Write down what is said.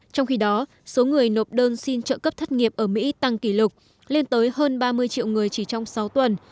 trong khi đó số người nộp đơn xin trợ cấp thất nghiệp ở mỹ tăng kỷ lục lên tới hơn ba mươi triệu người chỉ trong sáu tuần